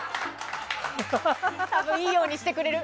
多分、いいようにしてくれる。